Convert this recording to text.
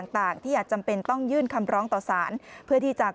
ต่างที่อาจจำเป็นต้องยื่นคำร้องต่อสารเพื่อที่จะ